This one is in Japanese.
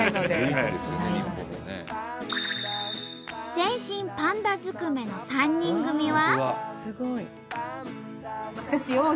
全身パンダずくめの３人組は。